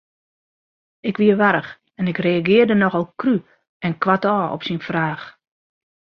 Ik wie warch en ik reagearre nochal krú en koartôf op syn fraach.